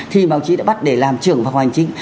thì bác sĩ đã bắt để làm trường phòng hành chính